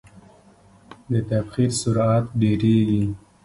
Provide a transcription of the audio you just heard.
د تبخیر سرعت ډیریږي.